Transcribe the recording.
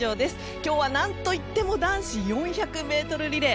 今日はなんといっても男子４００ｍリレー。